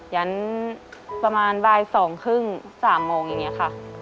อย่างนั้นประมาณบ่ายสองครึ่ง๓โมงอย่างนี้ค่ะ